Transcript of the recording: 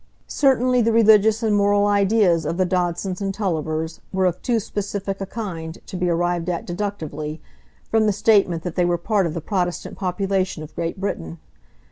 Certainly the religious and moral ideas of the Dodsons and Tullivers were of too specific a kind to be arrived at deductively, from the statement that they were part of the Protestant population of Great Britain.